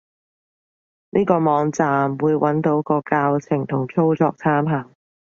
呢個網站，會揾到個教程同操作參考